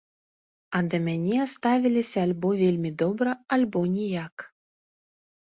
А да мяне ставіліся альбо вельмі добра, альбо ніяк.